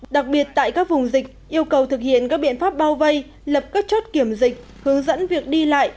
đặc biệt tại các vùng dịch yêu cầu thực hiện các biện pháp bao vây lập các chốt kiểm dịch hướng dẫn việc đi lại